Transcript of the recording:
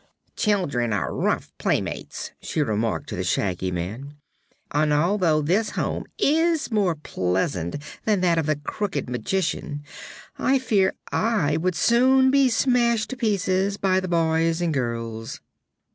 "Children are rough playmates," she remarked to the Shaggy Man, "and although this home is more pleasant than that of the Crooked Magician I fear I would soon be smashed to pieces by the boys and girls."